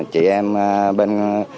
chị em bên